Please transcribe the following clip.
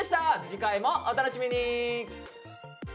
次回もお楽しみに！